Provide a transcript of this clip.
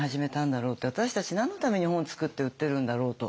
私たち何のために本を作って売ってるんだろうと。